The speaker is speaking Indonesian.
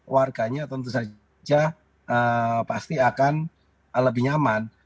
warganya tentu saja pasti akan lebih nyaman